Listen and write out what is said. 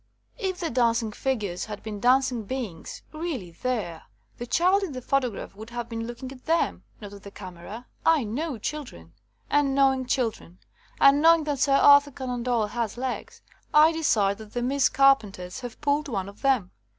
If the dancing figures had been dancing beings, really there, the child in the photograph would have been looking at them, not at the camera. I know children. *'And knowing children, and knowing that Sir Arthur Conan Doyle has legs, I de cide that the Miss Carpenters have pulled one of them.